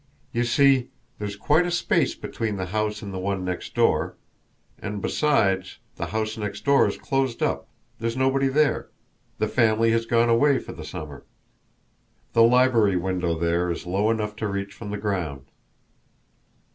"You see, there's quite a space between the house and the one next door; and, besides, the house next door is closed up, there's nobody there, the family has gone away for the summer. The library window there is low enough to reach from the ground."